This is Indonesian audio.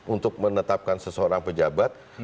untuk menetapkan seseorang pejabat